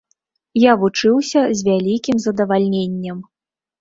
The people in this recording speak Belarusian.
Я вучыўся з вялікім задавальненнем.